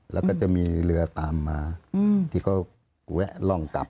แล้วก็จะมีเรือตามมาที่เขาแวะร่องกลับ